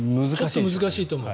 ちょっと難しいと思う。